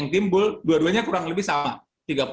timbul dua duanya kurang lebih sama